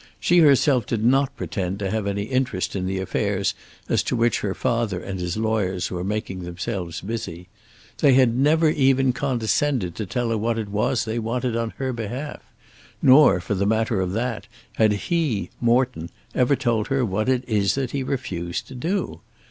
She herself did not pretend to have any interest in the affairs as to which her father and his lawyers were making themselves busy. They had never even condescended to tell her what it was they wanted on her behalf; nor, for the matter of that, had he, Morton, ever told her what it was that he refused to do.